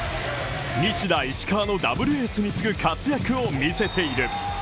西田、石川のダブルエースに次ぐ活躍を見せている。